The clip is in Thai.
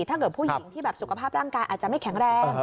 ถ้าเกิดผู้หญิงที่แบบสุขภาพร่างกายอาจจะไม่แข็งแรง